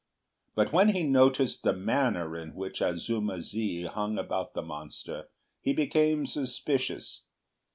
But when he noticed the manner in which Azuma zi hung about the monster he became suspicious.